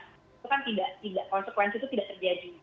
itu kan tidak konsekuensi itu tidak terjadi